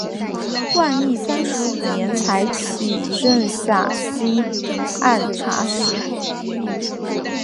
万历三十五年才起任陕西按察使。